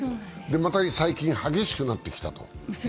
また最近激しくなってきたということかな。